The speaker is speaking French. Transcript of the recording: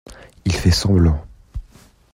Il fait semblant.